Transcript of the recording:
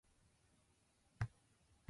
体育祭の雰囲気すき